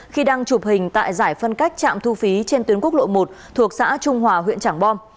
khi đang chụp hình tại giải phân cách trạm thu phí trên tuyến quốc lộ một thuộc xã trung hòa huyện trảng bom